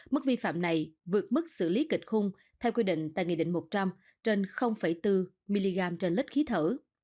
mức vi phạm này vượt mức xử lý kịch khung theo quy định tại nghị định một trăm linh trên bốn mg trên lít khí thở